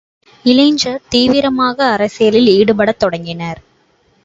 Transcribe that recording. இளைஞர் தீவிரமாக அரசியலில் ஈடுபடத் தொடங்கினர்.